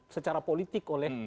secara politik oleh